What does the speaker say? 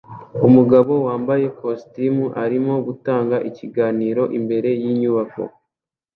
Umugabo wambaye ikositimu arimo gutanga ikiganiro imbere yinyubako